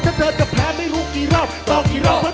เธอยังมีพ่อกับแม่อยู่รอเธออยู่สมัครให้เธอซ่อมไหล